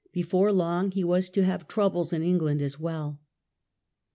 Before long he was to have troubles in England as well.